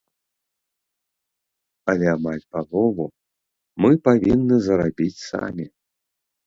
Але амаль палову мы павінны зарабіць самі.